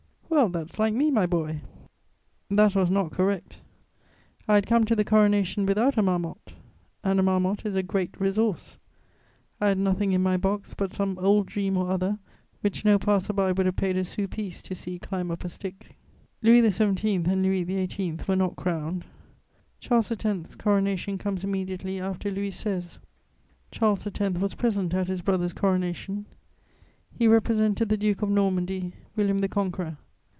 "'Well, that's like me, my boy.' "That was not correct: I had come to the coronation without a marmot, and a marmot is a great resource; I had nothing in my box but some old dream or other which no passer by would have paid a sou piece to see climb up a stick. "Louis XVII. and Louis XVIII. were not crowned; Charles X.'s coronation comes immediately after Louis XVI.'s. Charles X. was present at his brother's coronation; he represented the Duke of Normandy, William the Conqueror.